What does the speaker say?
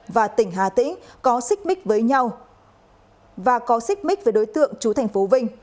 và tỉnh hà tĩnh có xích mích với nhau và có xích mích với đối tượng chú tp vinh